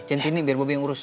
centini biar mami yang urus